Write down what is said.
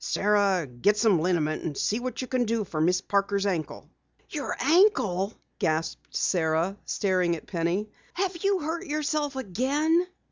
"Sara, get some liniment and see what you can do for Miss Parker's ankle." "Your ankle?" gasped Sara, staring at Penny. "Have you hurt yourself again?"